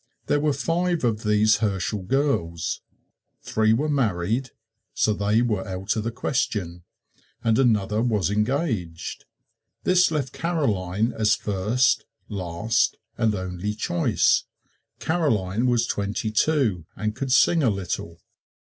There were five of these Herschel girls three were married, so they were out of the question, and another was engaged. This left Caroline as first, last and only choice. Caroline was twenty two and could sing a little.